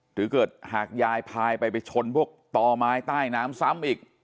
หรือเกิดหากยายพายไปไปชนพวกต่อไม้ใต้น้ำซ้ำอีก